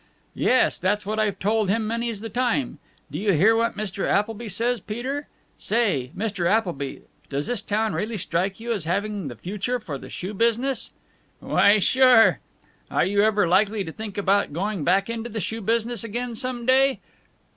"Yes, that's what I've told him many's the time. Do you hear what Mr. Appleby says, Peter?... Say, Mr. Appleby, does this town really strike you as having the future for the shoe business?" "Why, sure." "Are you ever likely to think about going back into the shoe business again, some day?